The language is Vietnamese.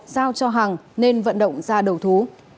giao cho hằng nên vận động ra đầu thú